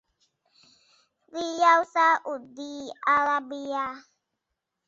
ริยัลซาอุดีอาระเบีย